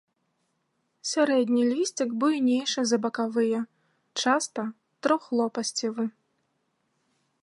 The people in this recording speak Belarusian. Сярэдні лісцік буйнейшы за бакавыя, часта трохлопасцевы.